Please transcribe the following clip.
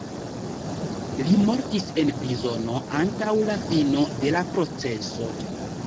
Li mortis en prizono antaŭ la fino de la proceso.